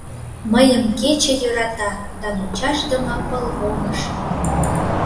Мыйым кече йӧрата Да мучашдыме пылвомыш.